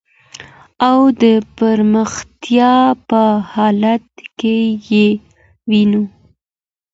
او د پرمختیا په حالت کی یې وېنو .